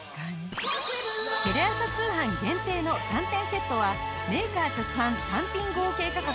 テレ朝通販限定の３点セットはメーカー直販単品合計価格